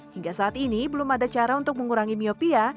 hingga saat ini belum ada cara untuk mengurangi miopia